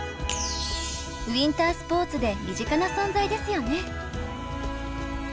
ウインタースポーツで身近な存在ですよね。